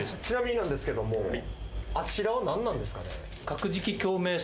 ちなみになんですけどもあちらは何なんですかね？